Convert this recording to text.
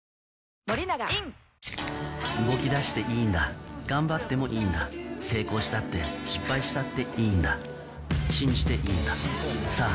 プシュ動き出していいんだ頑張ってもいいんだ成功したって失敗したっていいんだ信じていいんださぁ